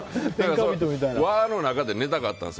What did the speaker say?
和の中で寝たかったんです。